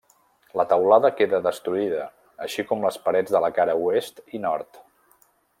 La teulada queda destruïda així com les parets de la cara Oest i Nord.